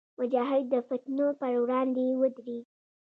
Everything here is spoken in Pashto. مجاهد د فتنو پر وړاندې ودریږي.